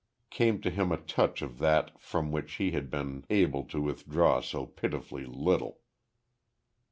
Came to him a touch of that from which he had been able to withdraw so pitifully little.